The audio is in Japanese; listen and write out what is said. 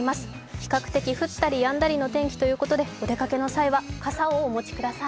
比較的降ったりやんだりの天気ということでお出かけの際は傘をお持ちください。